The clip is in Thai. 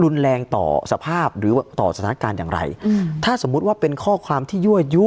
รุนแรงต่อสภาพหรือว่าต่อสถานการณ์อย่างไรอืมถ้าสมมุติว่าเป็นข้อความที่ยั่วยุ